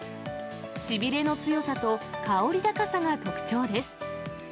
しびれの強さと香り高さが特徴です。